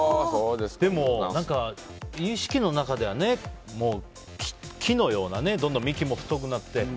でも、何か意識の中では木のようなね幹もどんどん太くなって。